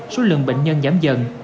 số lượng bệnh nhân giảm dần